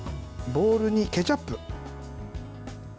ボウルにケチャップ。